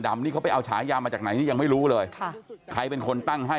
นี่เขาไปเอาฉายามาจากไหนนี่ยังไม่รู้เลยค่ะใครเป็นคนตั้งให้